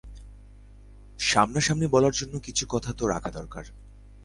সামনাসামনি বলার জন্য কিছু কথা তো রাখা দরকার।